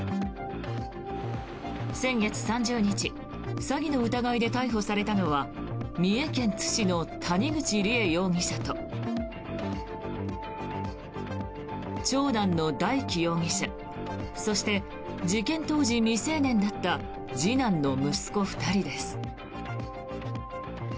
先月３０日、詐欺の疑いで逮捕されたのは三重県津市の谷口梨恵容疑者と長男の大祈容疑者そして、事件当時未成年だった次男の、息子２人です。